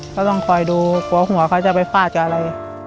ก็ต้องคอยดูกลัวหัวเขาจะไปฟาดกับอะไร